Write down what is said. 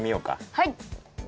はい！